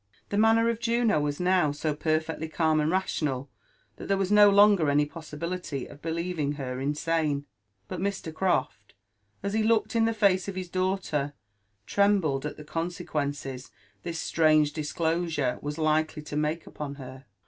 " The manner of Juno was now so perfectly calm and rational, that there was no longer any possibility of believing her insane ; but Mr. Croft, as he looked in the face of his daughter, trembled at the con8^ quences this strange disclosure was likely to make upon her.